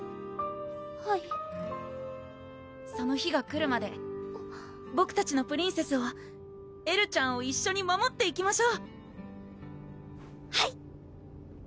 はいその日が来るまでボクたちのプリンセスをエルちゃんを一緒に守っていきましょうはい！